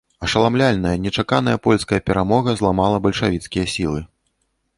Ашаламляльная, нечаканая польская перамога зламала бальшавіцкія сілы.